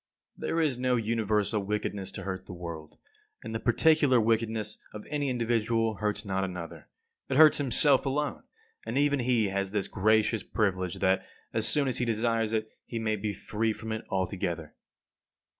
55. There is no universal wickedness to hurt the world; and the particular wickedness of any individual hurts not another. It hurts himself alone, and even he has this gracious privilege that, as soon as he desires it, he may be free from it altogether.